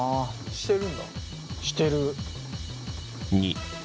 してる。